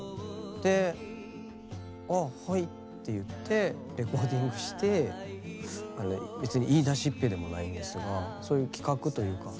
で「あはい」って言ってレコーディングして別に言いだしっぺでもないんですがそういう企画というか。